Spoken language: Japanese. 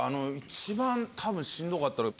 一番多分しんどかったのは。